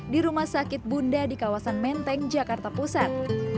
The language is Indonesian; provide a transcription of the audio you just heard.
di rumah sakit bunda di kawasan menteng jakarta pusat